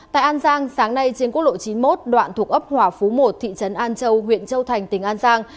tại an giang sáng nay trên quốc lộ chín mươi một đoạn thuộc ấp hòa phú một thị trấn an châu huyện châu thành tỉnh an giang